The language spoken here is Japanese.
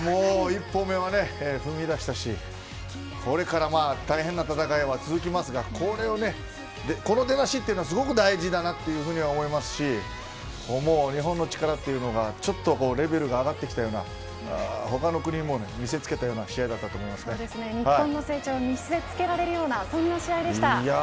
一歩目を踏み出したしこれから大変な戦いは続きますがこの出だしというのはすごく大事だなと思いますし日本の力というのがちょっとレベルが上がってきたような他の国に見せつけたような日本の成長を見せつけられるような試合でした。